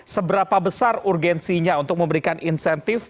seberapa besar urgensinya untuk memberikan insentif